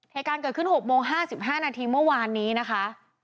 เหตุการณ์เกิดขึ้น๖โมง๕๕นาทีเมื่อวานนี้นะคะ